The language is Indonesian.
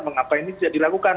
mengapa ini tidak dilakukan